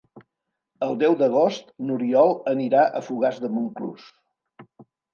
El deu d'agost n'Oriol anirà a Fogars de Montclús.